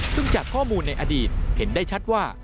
ซึ่งจากข้อมูลในอดีตเห็นได้ชัดว่า